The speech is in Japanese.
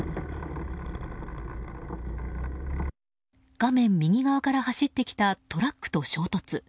画面右側から走ってきたトラックと衝突。